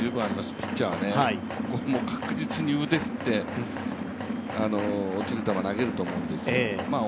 ピッチャーはここは確実に腕振って落ちる球投げると思うんです。